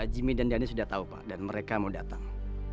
jimmy dan dani sudah tahu pak dan mereka mau datang